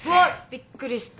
びっくりした。